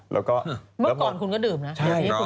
เมื่อก่อนคุณก็ดื่มนะ